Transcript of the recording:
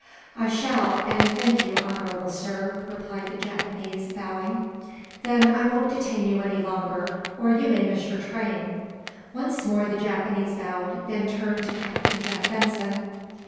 "I shall, and thank you, honorable sir," replied the Japanese, bowing. "Then I won't detain you any longer, or you may miss your train." Once more the Japanese bowed, then turned to Captain Jack Benson.